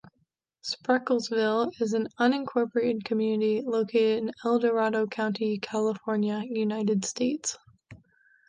Sprekelsville is an unincorporated community located in El Dorado County, California, United States.